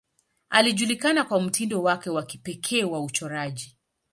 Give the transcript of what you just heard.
Alijulikana kwa mtindo wake wa kipekee wa uchoraji.